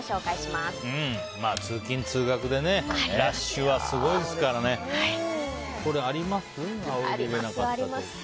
まあ、通勤・通学でねラッシュはすごいですからね。あります。